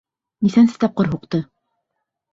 Нисәнсе тапҡыр һуҡты?